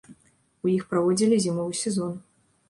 У іх праводзілі зімовы сезон.